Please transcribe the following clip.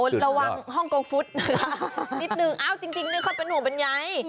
ระวังฮ่องโกงฟุตนิดนึงจริงเขาเป็นห่วงเป็นใย